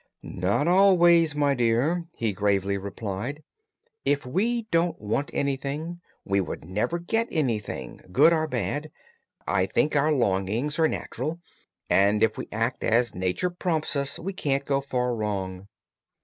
"Not always, my dear," he gravely replied. "If we didn't want anything, we would never get anything, good or bad. I think our longings are natural, and if we act as nature prompts us we can't go far wrong."